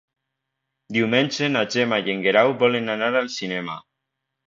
Diumenge na Gemma i en Guerau volen anar al cinema.